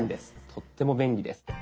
とっても便利です。